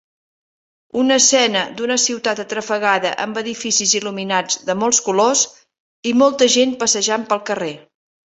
Una escena d'una ciutat atrafegada amb edificis il·luminats de molts colors i molta gent passejant pel carrer.